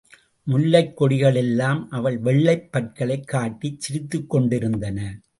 முல்லைக் கொடிகள் எல்லாம் அவள் வெள்ளைப் பற்களைக் காட்டிச் சிரித்துக் கொண்டிருந்தன.